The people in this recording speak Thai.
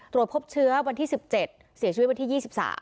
ตรวจพบเชื้อวันที่๑๗เสียชีวิตวันที่๒๓